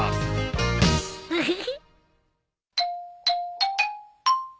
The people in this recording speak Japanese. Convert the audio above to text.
ウフフ。